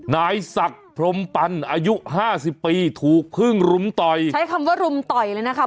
นายศักดิ์พรมปันอายุห้าสิบปีถูกพึ่งรุมต่อยใช้คำว่ารุมต่อยเลยนะคะ